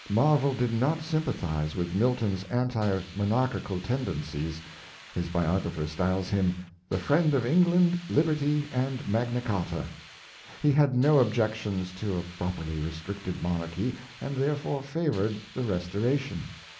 Marvell did not sympathize with Milton's anti monarchi cal tendencies. His biographer styles him "the friend of England, Liberty and Magna Charta." He had no objections to a properl}^ restricted monarchy, and there fore favored the restoration.